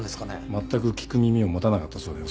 まったく聞く耳を持たなかったそうだよ。